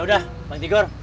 ya udah bang tigor